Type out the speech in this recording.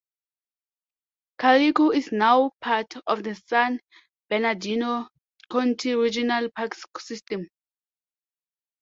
Calico is now part of the San Bernardino County Regional Parks system.